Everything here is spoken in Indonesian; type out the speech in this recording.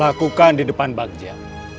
lakukan di depan pak jai